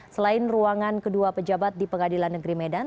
selain ruangan kedua pejabat di pengadilan negeri medan